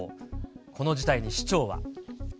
この事態に市長は。